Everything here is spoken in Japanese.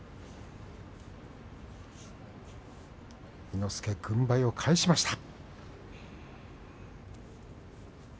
伊之助、軍配を返しました。